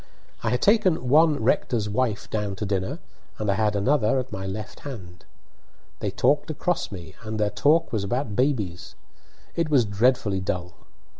I had taken one rector's wife down to dinner, and I had another at my left hand. They talked across me, and their talk was about babies; it was dreadfully dull.